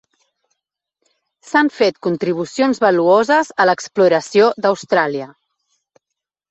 S'han fet contribucions valuoses a l'exploració d'Austràlia.